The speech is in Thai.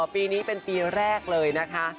ปีนี้เป็นปีแรกเลยนะคะ